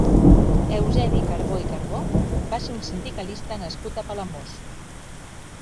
Eusebi Carbó i Carbó va ser un sindicalista nascut a Palamós.